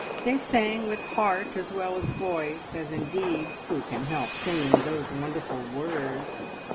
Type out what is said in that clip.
They sang with heart as well as voice, as indeed who can help singing those wonderful words?